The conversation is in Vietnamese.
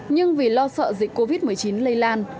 nhưng vì lo sợ dịch covid một mươi chín lây lan